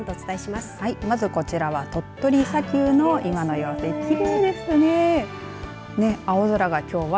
まず、こちらは鳥取砂丘の今の様子です。